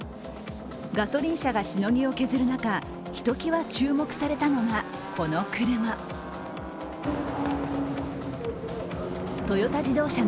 ガソリン車がしのぎを削る中、ひときわ注目されたのが、この車。